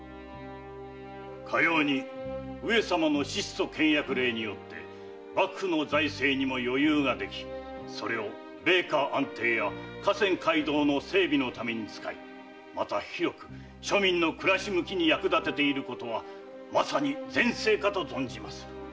かように上様の質素倹約令によって幕府の財政にも余裕ができそれを米価安定や河川街道の整備のために使いまた広く庶民の暮らし向きに役立てていることはまさに善政かと存じます。